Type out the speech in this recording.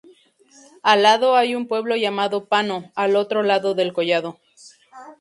Al lado hay un pueblo llamado Pano, al otro lado del collado.